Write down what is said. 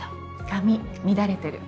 髪乱れてる。